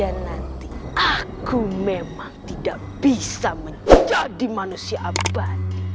dan nanti aku memang tidak bisa menjadi manusia abadi